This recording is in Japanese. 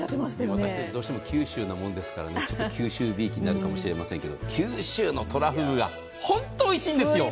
私たちどうしても九州のものですからちょっと九州びいきになるかもしれませんが九州のとらふぐが本当おいしいんです。